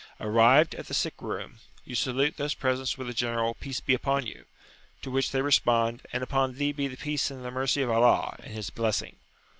Arrived at the sick room, you salute those present with a general "Peace be upon you!" to which they respond, "And upon thee be the peace and the mercy of Allah, and his blessing!"